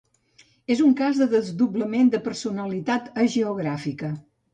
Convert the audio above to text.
És un cas de desdoblament de personalitat hagiogràfica.